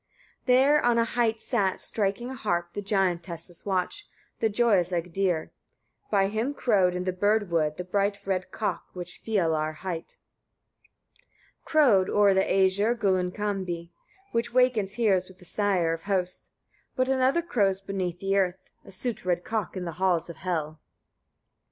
34. There on a height sat, striking a harp, the giantess's watch, the joyous Egdir; by him crowed, in the bird wood, the bright red cock, which Fialar hight. 35. Crowed o'er the Æsir Gullinkambi, which wakens heroes with the sire of hosts; but another crows beneath the earth, a soot red cock, in the halls of Hel. 36.